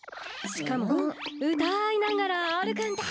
しかもうたいながらあるくんだ。